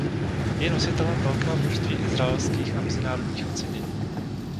Je nositelem velkého množství izraelských a mezinárodních ocenění.